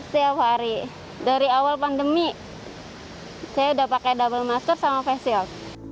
setiap hari dari awal pandemi saya udah pakai double masker sama face shield